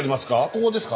ここですか？